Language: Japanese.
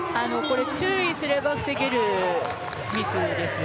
注意すれば防げるミスです。